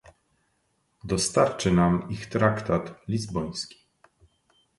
Dostarczy nam ich traktat lizboński